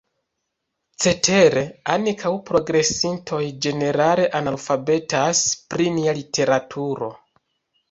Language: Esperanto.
Cetere, ankaŭ progresintoj ĝenerale analfabetas pri nia literaturo.